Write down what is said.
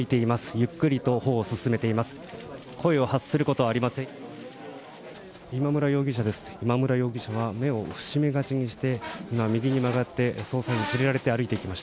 ゆっくりと歩を進めています。